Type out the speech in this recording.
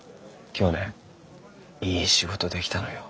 今日ねいい仕事できたのよ。